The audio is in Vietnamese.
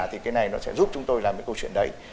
thì cái này nó sẽ giúp chúng tôi làm những câu chuyện đấy